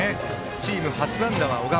チーム初安打は小川。